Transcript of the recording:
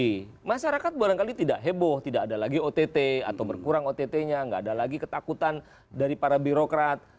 tapi masyarakat barangkali tidak heboh tidak ada lagi ott atau berkurang ott nya nggak ada lagi ketakutan dari para birokrat